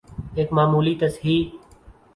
ایک معمولی تصحیح۔